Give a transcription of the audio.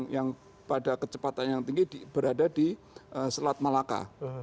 yang pada kecepatan yang tinggi berada di selat malaka